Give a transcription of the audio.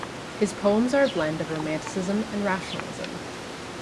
His poems are a blend of romanticism and rationalism.